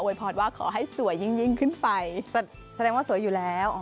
พรว่าขอให้สวยยิ่งขึ้นไปแสดงว่าสวยอยู่แล้ว